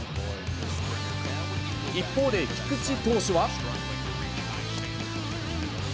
一方で、菊池投手は。